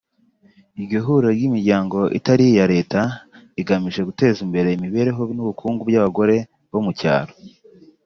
Iryo huriro ry’imiryango itari iya Leta igamije guteza imbere imibereho n’ubukungu by’abagore bo mu cyaro